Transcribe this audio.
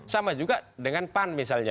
sama juga dengan pan misalnya